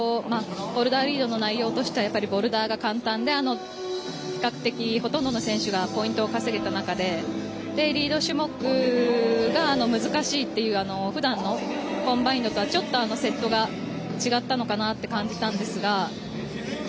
ボルダー＆リードの内容としてはボルダーが簡単で比較的、ほとんどの選手がポイントを稼げた中でリード種目が難しいっていうふだんのコンバインドとはセットが違ったのかなって感じたんですが。